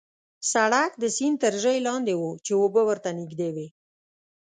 سړک د سیند تر ژۍ لاندې وو، چې اوبه ورته نژدې وې.